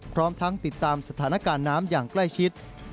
พร้อมทั้งติดตามสถานการณ์น้ำอย่างใกล้ชิด